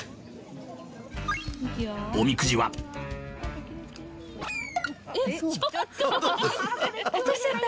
おみくじは落としちゃった。